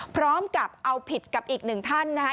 พร้อมกับเอาผิดกับอีกหนึ่งท่านนะคะ